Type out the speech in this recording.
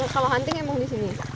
kalau hunting emang disini